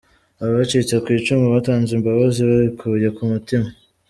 Abacitse ku icumu batanze imbabazi babikuye ku mutima.